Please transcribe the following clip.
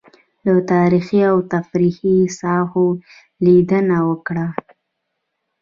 له تاريخي او تفريحي ساحو لېدنه وکړه.